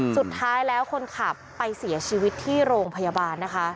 สุดท้ายคนขับไปเสียชีวิตที่โรงพยาบาล